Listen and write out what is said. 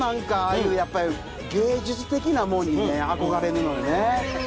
やっぱり芸術的なもんにね憧れるのよね。